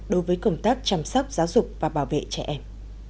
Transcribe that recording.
đối với công tác chăm sóc giáo dục và bảo vệ trẻ em